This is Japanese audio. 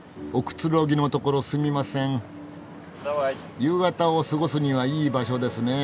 夕方を過ごすにはいい場所ですねえ。